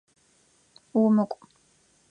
Умыкӏу!